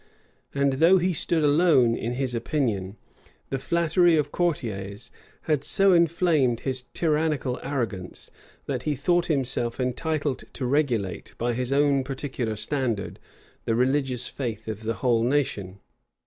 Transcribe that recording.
And though he stood alone in his opinion, the flattery of courtiers had so inflamed his tyrannical arrogance, that he thought himself entitled to regulate, by his own particular standard, the religious faith of the whole nation.